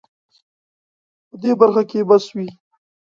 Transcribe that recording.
په دې برخه کې بس وي